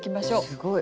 すごい。